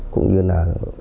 cũng như là